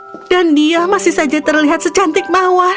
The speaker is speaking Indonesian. itu jim dan dia masih saja terlihat secantik mawak